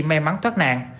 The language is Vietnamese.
may mắn thoát nạn